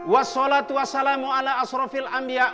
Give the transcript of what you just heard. wassalatu wassalamu ala asrofil alamin